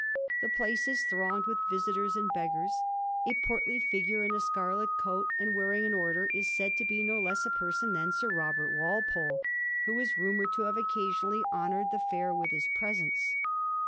The place is thronged with visitors and beggars. A portly figure in a scarlet coat and wearing an order is said to be no less a person than Sir Robert Walpole, who is rumoured to have occasionally honoured the fiur with his presence.